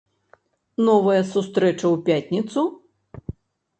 Новая сустрэча ў пятніцу?